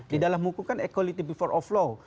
di dalam hukum kan equality before of law